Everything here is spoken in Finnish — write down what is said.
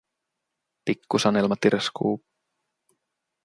Pikku Sanelma tirskuu.